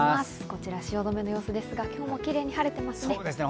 こちら汐留の様子ですが、今日もキレイに晴れていますね。